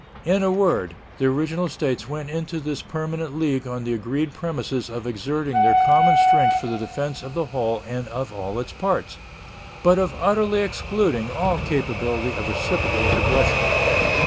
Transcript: In a word, the original States went into this permanent league on the agreed premises of exerting their common strength for the defense of the whole and of all its parts, but of utterly excluding all capability of reciprocal aggression.